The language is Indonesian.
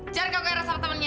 jangan kaget sama temennya